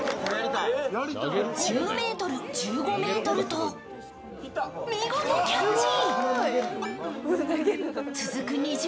１０ｍ、１５ｍと見事キャッチ。